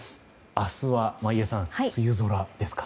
明日は眞家さん、梅雨空ですか。